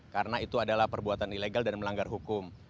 karena itu adalah perbuatan ilegal dan melanggar hukum